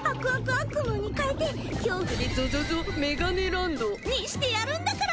あっくむーに変えて恐怖でゾゾゾメガネランドにしてやるんだから！